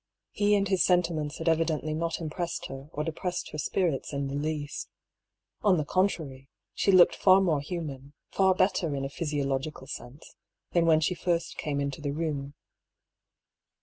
He and his sentiments had evidently not impressed her or depressed her spirits in the least. On the contrary, she looked far more human, far better in a physiological sense, than when she first came into the room.